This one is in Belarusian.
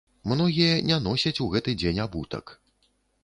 Многія не носяць у гэты дзень абутак.